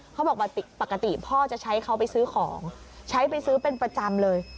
ปกติพ่อจะใช้เขาไปซื้อของใช้ไปซื้อเป็นประจำเลย